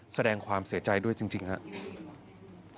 แสดงความเสียใจด้วยจริงครับ